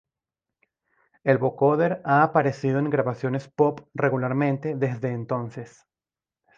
El vocoder ha aparecido en grabaciones pop regularmente desde entonces.